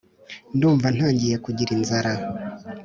ndumva ntangiye kugira inzara